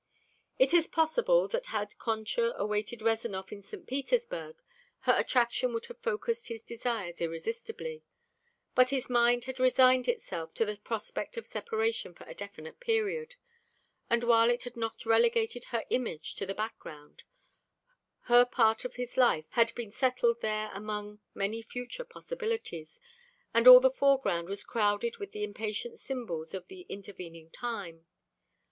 It is possible that had Concha awaited Rezanov in St. Petersburg her attraction would have focused his desires irresistibly; but his mind had resigned itself to the prospect of separation for a definite period, and while it had not relegated her image to the background, her part in his life had been settled there among many future possibilities, and all the foreground was crowded with the impatient symbols of the intervening time.